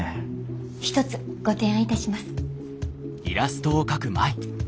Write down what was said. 一つご提案いたします。